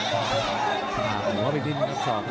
หาหัวไปดิ้นครับ๒โน้ตกลูก